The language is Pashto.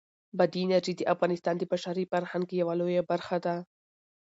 بادي انرژي د افغانستان د بشري فرهنګ یوه برخه ده.